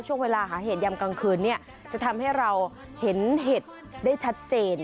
เขาบอกว่าช่วงเวลาเหตุยำกลางคืนจะทำให้เราเห็นเหตุได้ชัดเจน